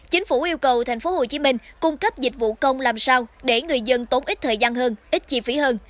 chính phủ yêu cầu tp hcm cung cấp dịch vụ công làm sao để người dân tốn ít thời gian hơn ít chi phí hơn